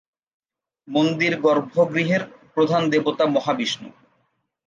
মন্দির-গর্ভগৃহের প্রধান দেবতা মহাবিষ্ণু।